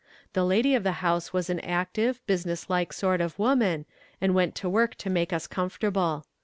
The lady of the house was an active, business like sort of woman, and went to work to make us comfortable.